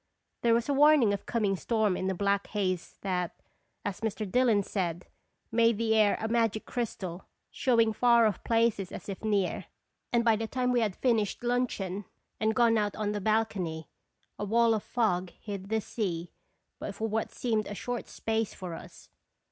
There was a warning of coming storm in the black haze that, as Mr. Dillon said, made the air a magic crystal, showing far off places as if near, and by the time we had finished luncheon and gone out on the balcony, a wall of fog hid the sea but for what seemed a short space before us.